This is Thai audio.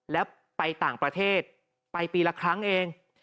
แล้วไปต่างประเทศไปปีละครั้งเอง